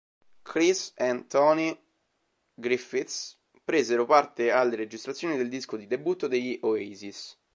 Chris and Tony Griffiths presero parte alle registrazioni del disco di debutto degli Oasis.